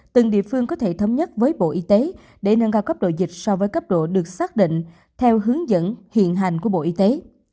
từng địa phương có thể thống nhất với bộ y tế để nâng cao cấp độ dịch so với cấp độ được xác định theo hướng dẫn hiện hành của bộ y tế